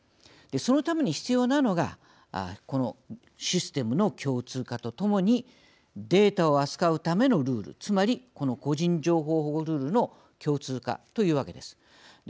そのために必要なのがこのシステムの共通化とともにデータを扱うためのルールつまりこの個人情報保護ルールの共通化というわけです。